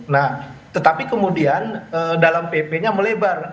nah tetapi kemudian dalam ppnya melebar